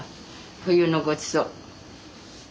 冬のごちそう。